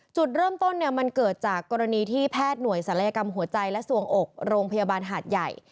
จุดเริ่มต้นเนี่ยมันเกิดจากกรณีที่แพทย์หน่วยศัลยกรรมหัวใจและส่วงอกโรงพยาบาลหาดใหญ่